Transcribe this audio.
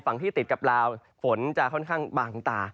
ที่ติดกับลาวฝนจะค่อนข้างบางตา